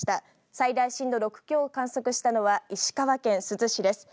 最大震度６強を観測したのは石川県珠洲市です。